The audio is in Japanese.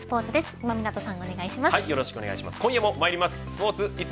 今湊さんお願いします。